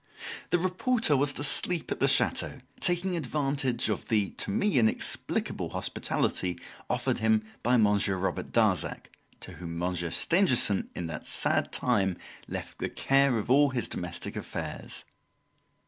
The reporter was to sleep at the chateau, taking advantage of the to me inexplicable hospitality offered him by Monsieur Robert Darzac, to whom Monsieur Stangerson, in that sad time, left the care of all his domestic affairs.